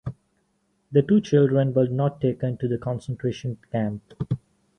The two children were not taken to the concentration camp.